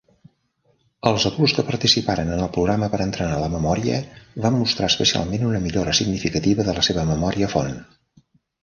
Els adults que participaren en el programa per entrenar la memòria van mostrar especialment una millora significativa de la seva memòria font.